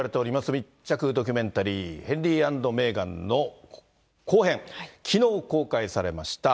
密着ドキュメンタリー、ヘンリー＆メーガンの後編、きのう公開されました。